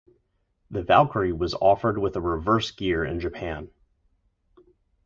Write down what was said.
The Valkyrie was offered with a reverse gear in Japan.